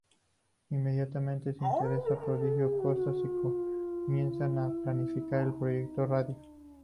Inmediatamente se integra Rodrigo Costas y comienzan a planificar el proyecto "Radio".